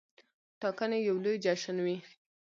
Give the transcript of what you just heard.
ټاکنې یو لوی جشن وي.